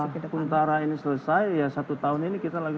kita sementara ini selesai ya satu tahun ini kita lagi